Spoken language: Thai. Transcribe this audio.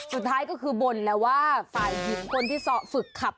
สุดท้ายก็คือบ่นแล้วว่าฝ่ายหญิงคนที่ฝึกขับ